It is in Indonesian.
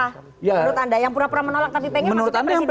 menurut anda yang pura pura menolak tapi pengen masukkan presiden jokowi